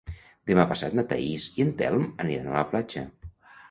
Demà passat na Thaís i en Telm aniran a la platja.